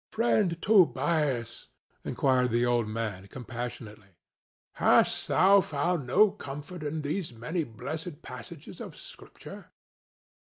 "Friend Tobias," inquired the old man, compassionately, "hast thou found no comfort in these many blessed passages of Scripture?"